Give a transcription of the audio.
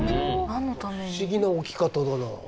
不思議な置き方だな。